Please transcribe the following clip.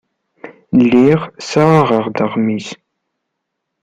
Lliɣ ssaɣeɣ-d aɣmis.